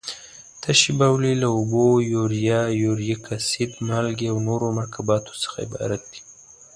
تشې بولې له اوبو، یوریا، یوریک اسید، مالګې او نورو مرکباتو څخه عبارت دي.